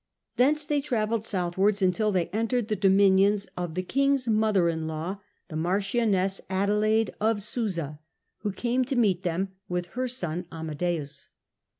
Thence they travelled southwards until they entered the dominions of the king's mother in law, the marchioness Digitized by VjOOQIC Caj^ossa I2y Adelaide of Susa, who came to meet them, with her son, Amadens.